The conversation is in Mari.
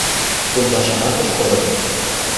Пундашымат ыш кодо.